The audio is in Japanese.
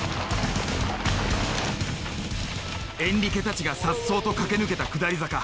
エンリケたちがさっそうと駆け抜けた下り坂。